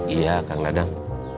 iya kang dadang